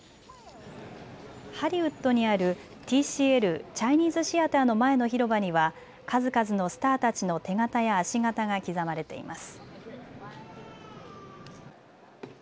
ハリウッドにあるＴＣＬ・チャイニーズ・シアターの前の広場には数々のスターたちの手形や足形が刻まれています。